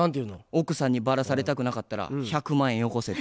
「奥さんにバラされたくなかったら１００万円よこせ」って。